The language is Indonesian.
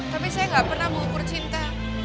tapi saya gak pernah mengukur cinta